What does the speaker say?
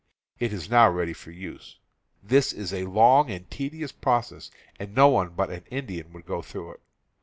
It is now ready for use. This is a long and tedious pro cess and no one but an Indian would go through it."